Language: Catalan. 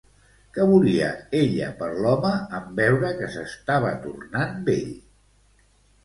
Què volia ella per l'home, en veure que s'estava tornant vell?